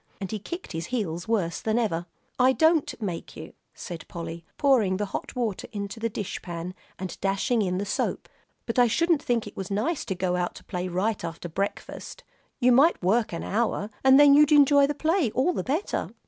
And he kicked his heels worse than ever. "I don't make you," said Polly, pouring the hot water into the dish pan and dashing in the soap, "but I shouldn't think it was nice to go out to play right after breakfast. You might work an hour, and then you'd enjoy the play all the better."